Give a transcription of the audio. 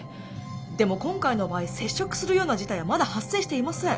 でも今回の場合接触するような事態はまだ発生していません。